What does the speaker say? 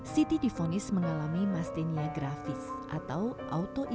siti difonis mengalami mastenia grafis atau autoimu